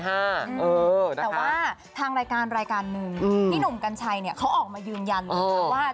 แต่ว่าทางรายการ๑ที่หนุ่มกัญชัยเขาออกมายืนยันว่า